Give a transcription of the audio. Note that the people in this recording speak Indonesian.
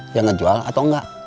yang ngejual atau enggak